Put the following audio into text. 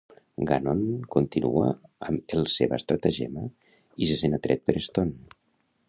Gannon continua amb el seva estratagema i se sent atret per Stone.